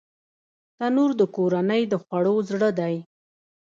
تنور د کورنۍ د خوړو زړه دی